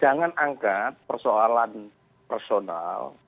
jangan angkat persoalan personal